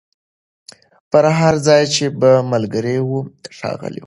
پر هر ځای چي به ملګري وه ښاغلي